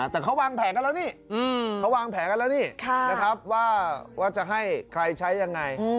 แต่เขาวางแผลกันแล้วนี่ว่าจะให้ใครใช้ยังไง